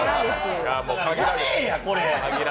やめぇや、これ！